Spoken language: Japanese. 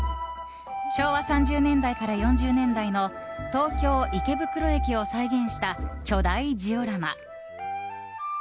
昭和３０年代から４０年代の東京・池袋駅を再現した巨大ジオラマ。